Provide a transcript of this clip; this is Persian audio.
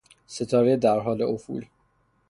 ستارهی در حال افول